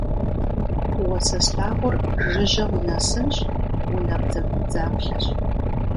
Уэ сэ слъагъур жыжьэ унэсынщ, унабдзэгубдзаплъэщ!